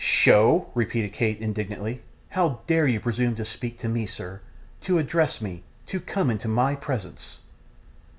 'SHOW!' repeated Kate, indignantly. 'How dare you presume to speak to me, sir to address me to come into my presence?